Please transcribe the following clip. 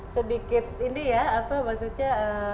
sedikit ini ya apa maksudnya